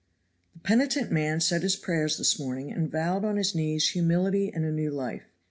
The penitent man said his prayers this morning and vowed on his knees humility and a new life.